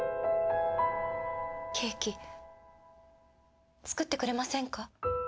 ケーキ作ってくれませんか？